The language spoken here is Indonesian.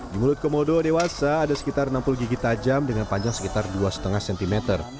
menurut komodo dewasa ada sekitar enam puluh gigi tajam dengan panjang sekitar dua lima cm